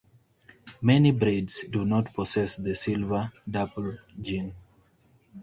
Many breeds do not possess the silver dapple gene.